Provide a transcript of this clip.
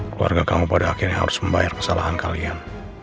keluarga kamu pada akhirnya harus membayar kesalahan kalian